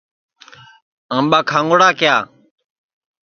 آمٻا کھاؤنگڑا کِیا